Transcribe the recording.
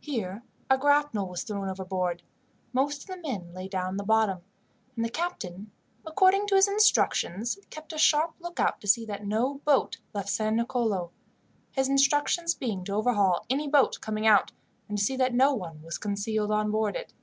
Here a grapnel was thrown overboard, most of the men lay down in the bottom, and the captain, according to his instructions, kept a sharp lookout to see that no boat left San Nicolo his instructions being to overhaul any boat coming out, and to see that no one was concealed on board it.